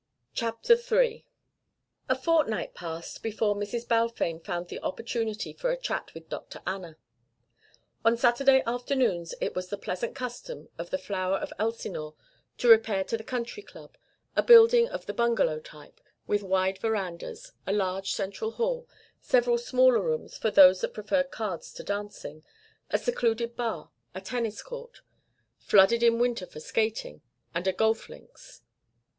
CHAPTER III A fortnight passed before Mrs. Balfame found the opportunity for a chat with Dr. Anna. On Saturday afternoons it was the pleasant custom of the flower of Elsinore to repair to the Country Club, a building of the bungalow type, with wide verandas, a large central hall, several smaller rooms for those that preferred cards to dancing, a secluded bar, a tennis court flooded in winter for skating and a golf links.